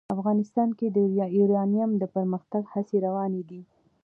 افغانستان کې د یورانیم د پرمختګ هڅې روانې دي.